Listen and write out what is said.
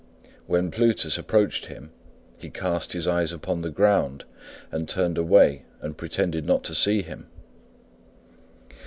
When Plutus approached him, he cast his eyes upon the ground, and turned away and pretended not to see him.